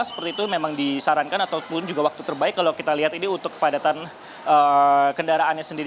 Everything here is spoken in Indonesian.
seperti itu memang disarankan ataupun juga waktu terbaik kalau kita lihat ini untuk kepadatan kendaraannya sendiri